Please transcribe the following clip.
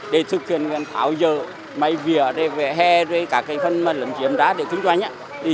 để thực hiện thao dỡ máy vỉa về hè lấn chiếm đá để kinh doanh